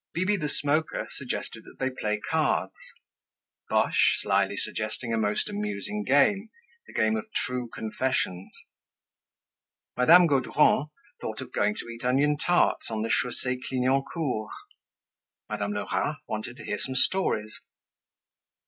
Bibi the Smoker suggested that they play cards. Boche slyly suggesting a most amusing game, the game of true confessions. Madame Gaudron thought of going to eat onion tarts on the Chaussee Clignancourt. Madame Lerat wanted to hear some stories.